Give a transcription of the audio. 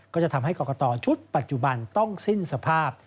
ก็จะทำให้กรกตชุดปัจจุบันต้องสิ้นสภาพ